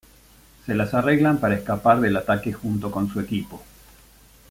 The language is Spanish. Se las arreglan para escapar del ataque junto con su equipo.